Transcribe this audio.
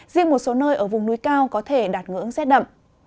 riêng một số nơi ở vùng núi cao có thể đạt ngưỡng rét đậm